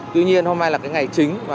tuy nhiên hôm nay là ngày chính